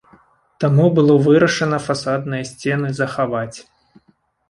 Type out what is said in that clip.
Таму было вырашана фасадныя сцены захаваць.